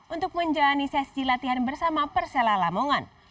untuk menjalani sesi latihan bersama persela lamongan